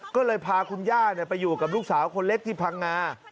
ก็เลยพาคุณย่าไปอยู่กับลูกสาวคนเล็กที่พังงา